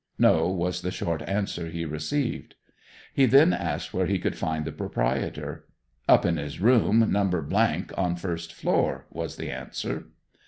"No," was the short answer he received. He then asked where he could find the proprietor. "Up in his room, No. . on first floor," was the answer.